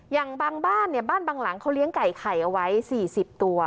อย่างบางบ้านเนี่ยบ้านบางหลังเขาเลี้ยงไก่ไข่เอาไว้๔๐ตัว